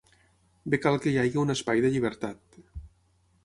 Bé cal que hi hagi un espai de llibertat.